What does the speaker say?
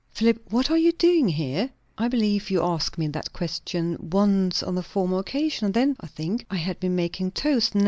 Philip, what are you doing here?" "I believe you asked me that question once on a former occasion. Then, I think, I had been making toast.